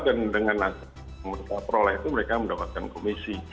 dan dengan nasabah yang mereka peroleh itu mereka mendapatkan komisi